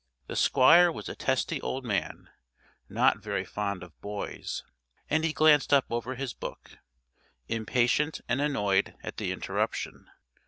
The Squire was a testy old man, not very fond of boys, and he glanced up over his book, impatient and annoyed at the interruption.